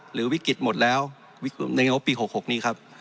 หรือวิกฤตหมดแล้ววิกฤตในงบปี๖๖นี้ครับ